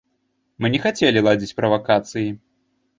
Мы не хацелі ладзіць правакацыі.